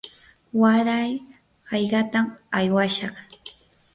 waray hallqatam aywashaq.